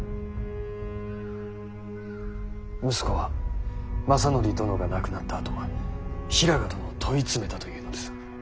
息子は政範殿が亡くなったあと平賀殿を問い詰めたというのです。